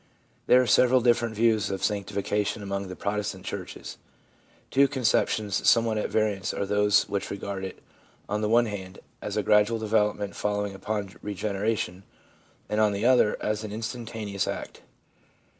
There are several different views of sanctification among the Protestant churches. Two conceptions somewhat at variance are those which regard it, on the one hand, as a gradual development following upon regeneration, and, on the other, as an instantaneous act.